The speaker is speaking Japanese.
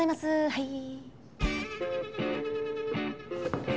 はい。